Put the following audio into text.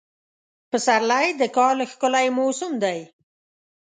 پسرلی د کال ښکلی موسم دی.